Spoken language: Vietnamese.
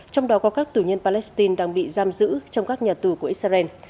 trong đó có các tù nhân palestine đang bị giam giữ trong các nhà tù của israel